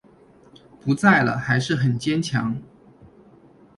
不在了还是很坚强